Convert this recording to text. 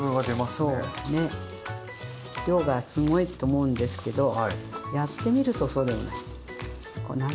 そうね量がすごいと思うんですけどやってみるとそうでもない。